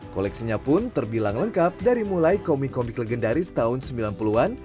koleksinya pun terbilang lengkap dari mulai komik komik legendaris tahun sembilan puluh an